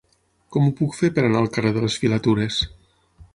Com ho puc fer per anar al carrer de les Filatures?